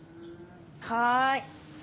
はい。